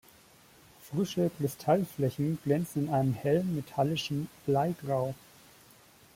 Frische Kristallflächen glänzen in einem hellen, metallischen Bleigrau.